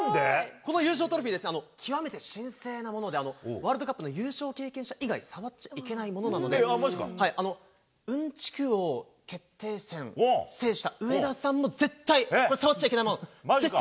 この優勝トロフィーですね、極めて神聖なもので、ワールドカップの優勝経験者以外、触っちゃいけないものなので、うんちく王決定戦を制した上田さんも絶対触っちゃいけないもの。